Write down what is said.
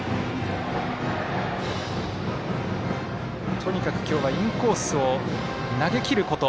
とにかく、今日はインコースを投げきること。